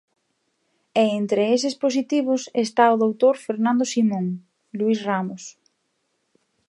E entre eses positivos está o doutor Fernando Simón: Luís Ramos.